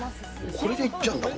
これでいっちゃうんだもん。